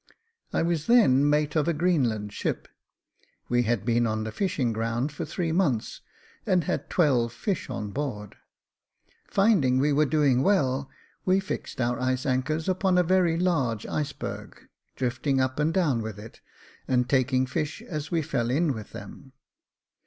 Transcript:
I was then mate of a Greenland ship. "We had been on the fishing ground for three months, and had twelve fish on board. Finding v/e were doing well, we fixed our ice anchors upon a very large iceberg, drifting up and down with it, and taking fish as we fell in with them.